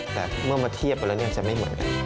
แต่เมื่อมาเทียบกันแล้วเนี่ยจะไม่เหมือนกัน